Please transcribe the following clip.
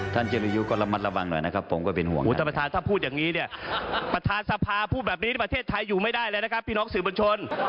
ถ้าพูดอย่างนี้เนี่ยประธานสภาพูดแบบนี้ที่ประเทศไทยอยู่ไม่ได้เลยนะคะพี่น้องสื่อบัญชน